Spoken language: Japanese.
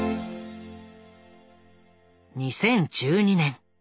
２０１２年。